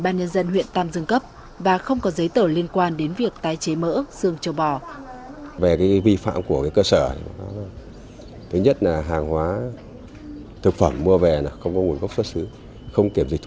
nhân dân huyện tam dương cấp bà không có giấy tờ liên quan đến việc tái chế mỡ xương trâu bò